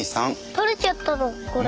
取れちゃったのこれ。